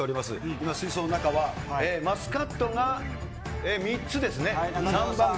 今、水槽の中は、マスカットが３つですね、３番組。